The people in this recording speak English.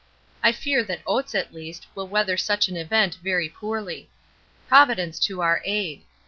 I fear that Oates at least will weather such an event very poorly. Providence to our aid!